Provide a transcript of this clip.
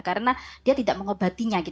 karena dia tidak mengobatinya